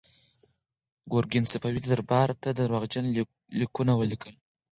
ګورګین صفوي دربار ته درواغجن لیکونه ولیکل.